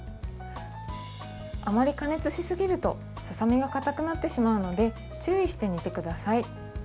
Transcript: あまり加熱しすぎるとささみがかたくなってしまうので注意して煮てください。